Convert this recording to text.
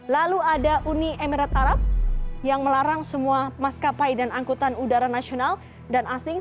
dua ribu dua puluh satu lalu ada uni emirat arab yang melarang semua maskapai dan angkutan udara nasional dan asing